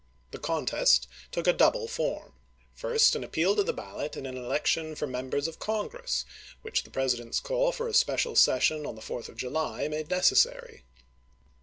The contest took a double form : first an appeal to the ballot in an election for Members of Congress, which the President's call for a special session on the 4th of July made necessary.